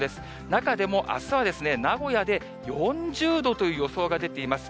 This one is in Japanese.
中でもあすは名古屋で４０度という予想が出ています。